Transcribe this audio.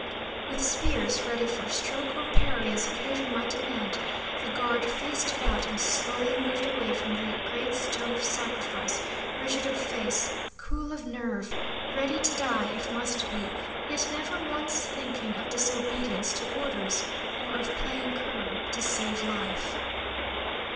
With spears ready for stroke or parry as occasion might demand, the guard faced about and slowly moved away from the great stone of sacrifice, rigid of face, cool of nerve, ready to die if must be, yet never once thinking of disobedience to orders, or of playing cur to save life.